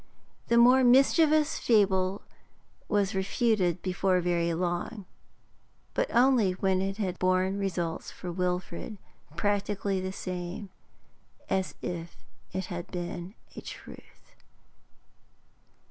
The more mischievous fable was refuted before very long, but only when it had borne results for Wilfrid practically the same as if it had been a truth.